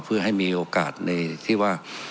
เพื่อให้มีโอกาสในที่ว่า